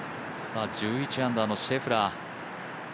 １１アンダーのシェフラー。